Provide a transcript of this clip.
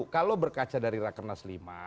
kalau berkaca dari rakernas lima